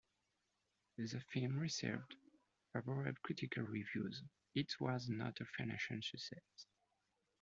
The film received favorable critical reviews, it was not a financial success.